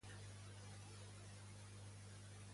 En quin tipus de publicacions ha redactat?